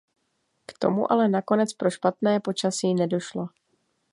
K tomu ale nakonec pro špatné počasí nedošlo.